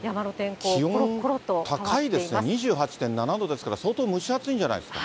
気温高いですね、２８．７度ですから、相当蒸し暑いんじゃないですか。